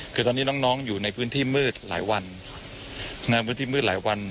คือตอนนี้น้องอยู่ในพื้นที่มืดหลายวันในพื้นที่มืดหลายวัน